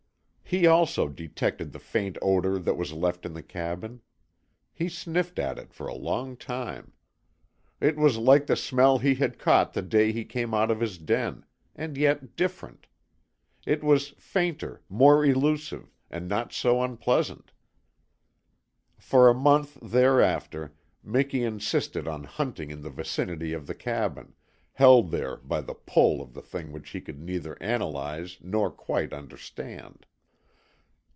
He also detected the faint odour that was left in the cabin. He sniffed at it for a long time. It was like the smell he had caught the day he came out of his den and yet different. It was fainter, more elusive, and not so unpleasant. For a month thereafter Miki insisted on hunting in the vicinity of the cabin, held there by the "pull" of the thing which he could neither analyze nor quite understand.